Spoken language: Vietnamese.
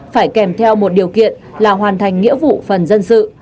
phải kèm theo một điều kiện là hoàn thành nghĩa vụ phần dân sự